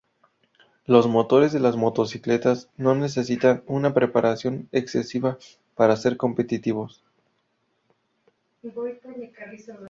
Los motores de las motocicletas no necesitan una preparación excesiva para ser competitivos.